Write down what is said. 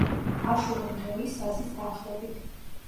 აშუღი მღერის საზის თანხლებით.